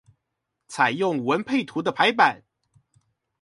採用文配圖的排版